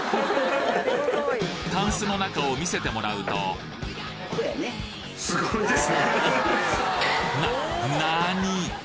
タンスの中を見せてもらうとななにぃ！